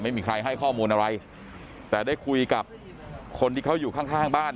ไม่มีใครให้ข้อมูลอะไรแต่ได้คุยกับคนที่เขาอยู่ข้างข้างบ้าน